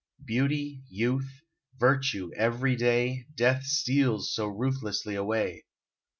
Beauty, youth, virtue, every day, Death steals so ruthlessly away.